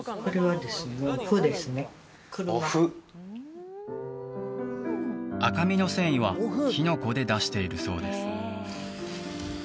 車麩お麩赤身の繊維はキノコで出しているそうです